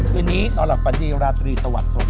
คืนนี้นอนหลับฝันดีราตรีสวัสดี